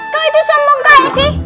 kau itu sumbang kau ya sih